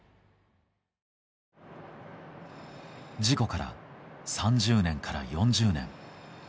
事故から３０年から４０年。